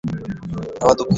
আমি আবারও দুঃখিত।